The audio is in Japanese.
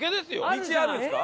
道あるんですか？